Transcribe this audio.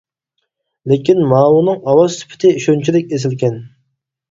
لېكىن ماۋۇنىڭ ئاۋاز سۈپىتى شۇنچىلىك ئېسىلكەن.